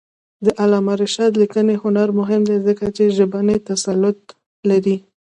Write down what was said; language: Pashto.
د علامه رشاد لیکنی هنر مهم دی ځکه چې ژبنی تسلط لري.